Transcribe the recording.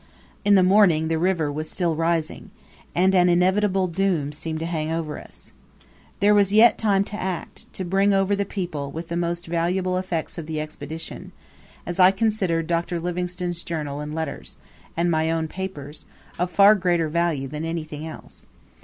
In the morning the river was still rising, and an inevitable doom seemed to hang over us. There was yet time to act to bring over the people, with the most valuable effects of the Expedition as I considered Dr. Livingstone's Journal and letters, and my own papers, of far greater value than anything else.